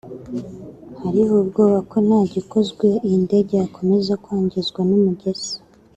Hari ubwoba ko nta gikozwe iyi ndege yakomeza kwangizwa n’umugese